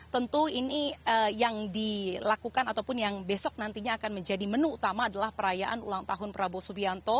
tentu ini yang dilakukan ataupun yang besok nantinya akan menjadi menu utama adalah perayaan ulang tahun prabowo subianto